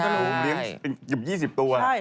คุณเลี้ยง๒๐ตัว